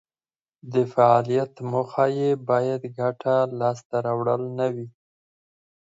د فعالیت موخه یې باید ګټه لاس ته راوړل نه وي.